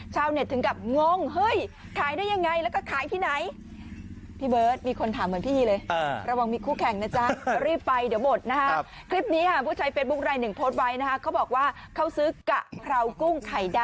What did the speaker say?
ชาวเน็ตถึงกับงงเฮ้ยขายได้ยังไงแล้วก็ขายที่ไหน